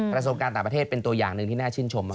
การต่างประเทศเป็นตัวอย่างหนึ่งที่น่าชื่นชม